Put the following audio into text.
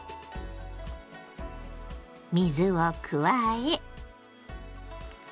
水を加え。